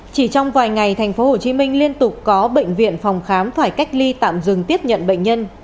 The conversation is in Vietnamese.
chỉ trong vài ngày tp hcm liên tục có bệnh viện phòng khám phải cách ly tạm dừng tiếp nhận bệnh nhân